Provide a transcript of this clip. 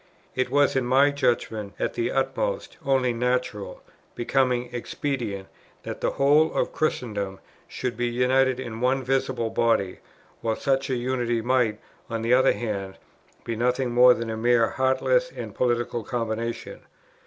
It was in my judgment at the utmost only natural, becoming, expedient, that the whole of Christendom should be united in one visible body; while such a unity might, on the other hand, be nothing more than a mere heartless and political combination.